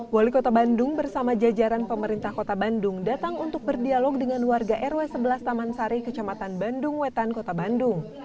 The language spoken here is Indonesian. wali kota bandung bersama jajaran pemerintah kota bandung datang untuk berdialog dengan warga rw sebelas taman sari kecamatan bandung wetan kota bandung